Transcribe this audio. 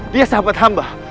dia sahabat hamba